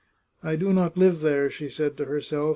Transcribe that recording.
" I do not live there," said she to herself.